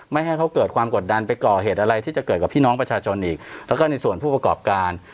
ไม่ให้เขาเกิดความกดดันไปก่อเหตุอะไรที่จะเกิดกับพี่น้องประชาชนอีกแล้วก็ในส่วนผู้ประกอบการ